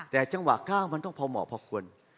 แต่จังหวะ๙มันต้องพอหมอพอควร